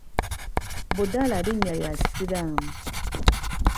Budalah linnya lya Kisiraamu.